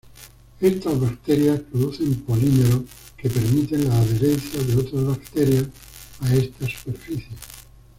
Estas bacterias producen polímeros que permiten la adherencia de otras bacterias a esta superficie.